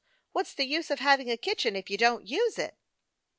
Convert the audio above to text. What's the use of having a kitchen if you don't use it